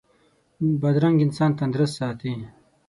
بادرنګ انسان تندرست ساتي.